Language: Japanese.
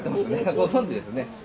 ご存じですね。